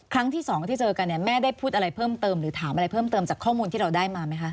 ครั้งที่สองที่เจอกันเนี่ยแม่ได้พูดอะไรเพิ่มเติมหรือถามอะไรเพิ่มเติมจากข้อมูลที่เราได้มาไหมคะ